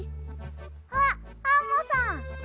あっアンモさん。